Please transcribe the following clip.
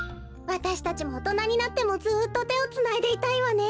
わたしたちもおとなになってもずっとてをつないでいたいわね。